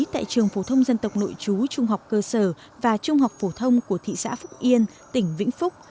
tại trường phổ thông dân tộc nội chú trung học cơ sở và trung học phổ thông của thị xã phúc yên tỉnh vĩnh phúc